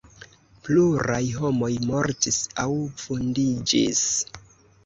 Pluraj homoj mortis aŭ vundiĝis.